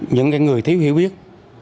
những người thiếu hiểu biết